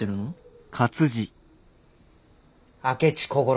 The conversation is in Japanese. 明智小五郎。